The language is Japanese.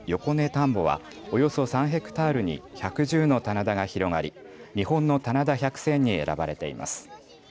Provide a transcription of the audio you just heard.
田んぼはおよそ３ヘクタールに１１０の棚田が広がり日本の棚田百選に選ばれています。